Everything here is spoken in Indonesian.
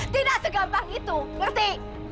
tidak segampang itu berhenti